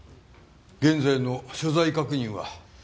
現在の所在確認は？